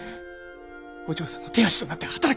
お嬢さんの手足となって働きます！